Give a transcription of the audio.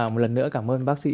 một lần nữa cảm ơn bác sĩ